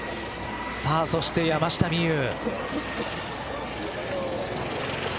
そして山下美夢有。